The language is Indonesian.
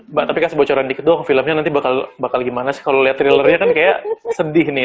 mbak tapi kasih bocoran dikit dong filmnya nanti bakal gimana sih kalau lihat thrillernya kan kayak sedih nih